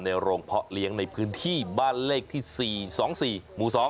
โรงเพาะเลี้ยงในพื้นที่บ้านเลขที่๔๒๔หมู่๒